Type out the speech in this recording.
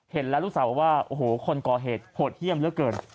เห็นแล้วลูกสาวว่าโอ้โหคนก่อเหตุโหดเยี่ยมเหลือเกิน